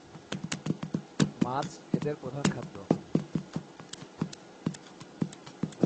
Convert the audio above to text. মাছ এদের প্রধান খাদ্য।